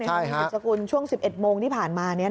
มีบริษกุลช่วง๑๑โมงที่ผ่านมานี่นะ